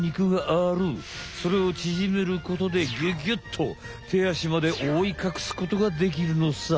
それをちぢめることでギュギュッと手あしまでおおいかくすことができるのさ！